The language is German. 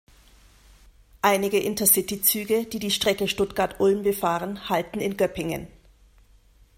Einige Intercity-Züge, die die Strecke Stuttgart–Ulm befahren, halten in Göppingen.